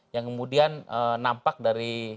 yang kemudian nampak dari